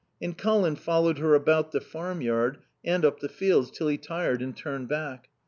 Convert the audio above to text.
And Colin followed her about the farmyard and up the fields till he tired and turned back.